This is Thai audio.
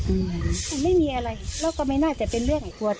อืมไม่มีอะไรแล้วก็ไม่น่าจะเป็นเรื่องของขวด